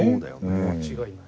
間違いない。